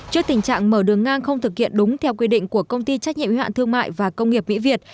trước tình trạng mở đường ngang không thực hiện đúng theo quy định của công ty trách nhiệm hoạn thương mại và công nghiệp mỹ việt